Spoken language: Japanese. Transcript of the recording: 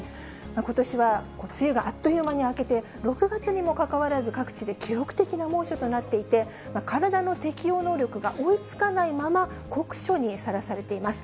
ことしは梅雨があっという間に明けて、６月にもかかわらず、各地で記録的な猛暑となっていて、体の適応能力が追いつかないまま、酷暑にさらされています。